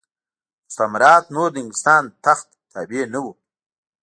مستعمرات نور د انګلستان تخت تابع نه وو.